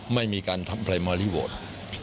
ไม่มีการทำอะไรมารีโวท